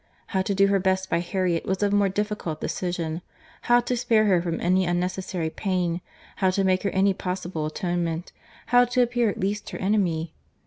—How to do her best by Harriet, was of more difficult decision;—how to spare her from any unnecessary pain; how to make her any possible atonement; how to appear least her enemy?